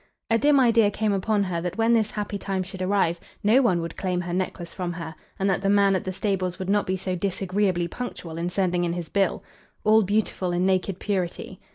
A dim idea came upon her that when this happy time should arrive, no one would claim her necklace from her, and that the man at the stables would not be so disagreeably punctual in sending in his bill. "'All beautiful in naked purity!'"